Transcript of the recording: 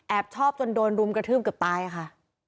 แอบชอบจนโดนรุมกระทืบกับปลายค่ะ